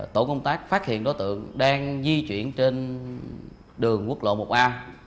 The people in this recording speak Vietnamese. tổ công tác phát hiện đối tượng đang di chuyển trên đường quốc lộ một a